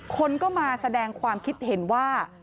คนก็มาแสดงความคิดเห็นว่า